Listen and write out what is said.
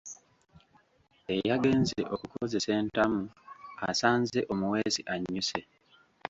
Eyagenze okukozesa entamu asanze omuweesi annyuse.